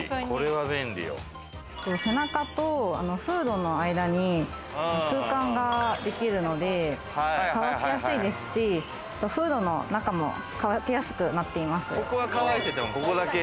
背中とフードの間に空間ができるので乾きやすいですし、フードの中も乾きやすくなっています。